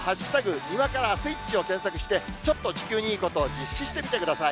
今からスイッチを検索して、ちょっと地球にいいことを実施してみてください。